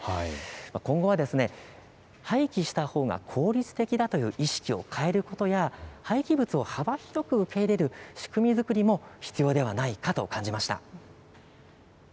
今後は廃棄したほうが効率的だという意識を変えることや廃棄物を幅広く受け入れる仕組み作りも必要ではないかと感じました。